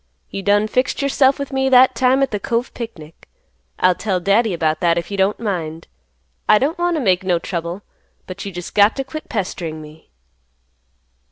You done fixed yourself with me that time at the Cove picnic. I'll tell Daddy about that if you don't mind. I don't want to make no trouble, but you just got to quit pestering me."